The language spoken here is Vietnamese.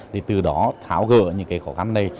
thì từ đó tháo gỡ những cái khó khăn này